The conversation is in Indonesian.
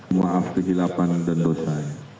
moaf kehilapan dan dosa